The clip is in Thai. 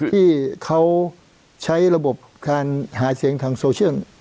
ที่เขาใช้ระบบทางหาเศรียญทางออสเชียง